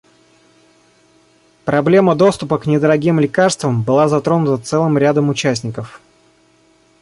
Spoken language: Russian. Проблема доступа к недорогим лекарствам была затронута целым рядом участников.